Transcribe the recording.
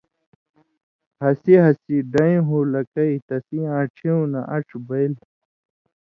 ہَسی ہسی ڈَیں ہُو لَکئ، تَسِیں آن٘ڇِھیُوں نہ اَن٘ڇھہۡ بَئیل،